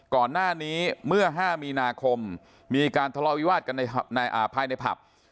ก่อนหน้านี้เมื่อ๕มีนาคมมีการทะเลาะวิวาสกันภายในผับ